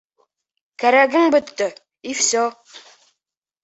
— Кәрәгең бөттө, и все.